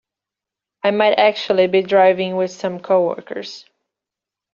I might actually be driving with some coworkers.